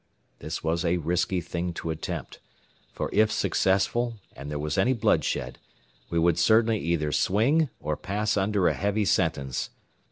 This was a risky thing to attempt, for if successful and there was any bloodshed, we would certainly either swing or pass under a heavy sentence.